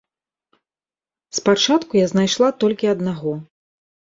Спачатку я знайшла толькі аднаго.